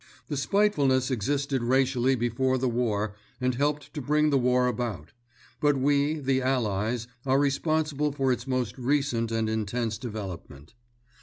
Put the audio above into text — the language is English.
The spitefulness existed racially before the war and helped to bring the war about; but we, the Allies, are responsible for its most recent and intense development.